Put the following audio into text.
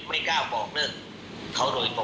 ผมก็นึกไม่กล้าบอกเรื่องเค้าน์โดยตัว